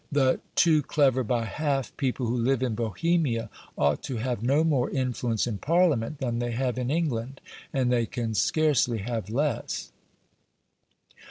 The "too clever by half" people who live in "Bohemia," ought to have no more influence in Parliament than they have in England, and they can scarcely have less.